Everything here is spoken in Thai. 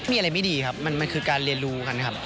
มีอะไรไม่ดีครับมันคือการเรียนรู้กันครับ